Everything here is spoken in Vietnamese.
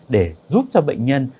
để giúp cho bệnh nhân